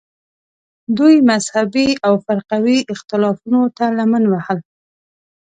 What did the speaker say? دوی مذهبي او فرقوي اختلافونو ته لمن وهل